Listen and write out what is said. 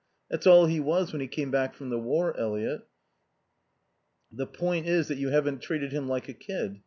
That's all he was when he came back from the war, Eliot." "The point is that you haven't treated him like a kid.